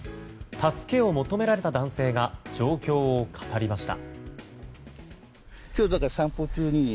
助けを求められた男性が状況を語りました。